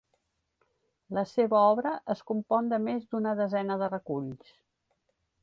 La seva obra es compon de més d'una desena de reculls.